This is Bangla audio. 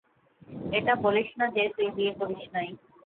এটা বলিস না যে তুই বিয়ে করিস নাই।